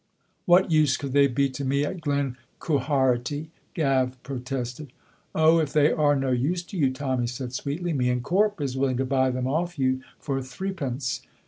"What use could they be to me at Glen Quharity?" Gav protested. "Oh, if they are no use to you," Tommy said sweetly, "me and Corp is willing to buy them off you for threepence."